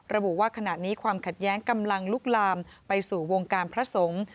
ระบุว่าขณะนี้ความขัดแย้งกำลังลุกลามไปสู่วงการพระสงฆ์